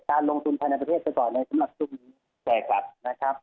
การลงทุนภายในประเทศก็ก่อนเลยสำหรับชุมนี้แชร์ครับนะครับ